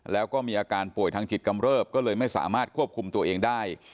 แล้วก็มีอาการป่วยทางจิตกำเริบก็เลยไม่สามารถควบคุมตัวเองได้